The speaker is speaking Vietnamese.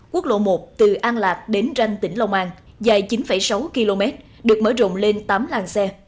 quốc lộ một từ an lạc đến ranh tỉnh long an dài chín sáu km được mở rộng lên tám làng xe